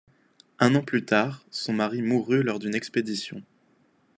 Un an plus tard, son mari mourut lors d'une expédition.